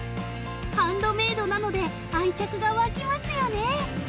ハンドメイドなので愛着が湧きますよね。